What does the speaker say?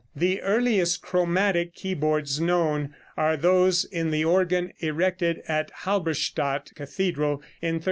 The earliest chromatic keyboards known are those in the organ erected at Halberstadt cathedral in 1361.